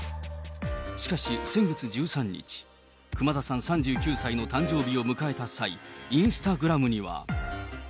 しかし、先月１３日、熊田さん３９歳の誕生日を迎えた際、インスタグラムには。